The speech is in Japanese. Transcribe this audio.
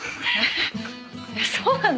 そうなの？